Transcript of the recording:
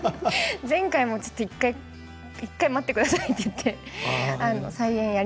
前回も１回待ってくださいって言ったんです。